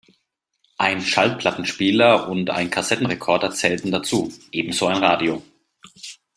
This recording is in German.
Ein Schallplattenspieler und ein Kassettenrekorder zählten dazu, ebenso ein Radio.